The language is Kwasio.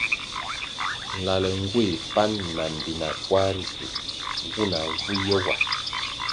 Nlale ngueh pan ma mbpina kwar ritu nwuna vu ye wa.